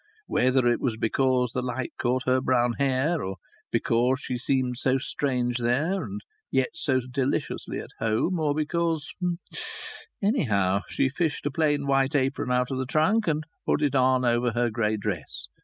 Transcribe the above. Whether it was because the light caught her brown hair, or because she seemed so strange there and yet so deliciously at home, or because Anyhow, she fished a plain white apron out of the trunk and put it on over her grey dress.